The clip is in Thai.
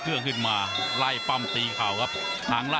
พี่น้องอ่ะพี่น้องอ่ะ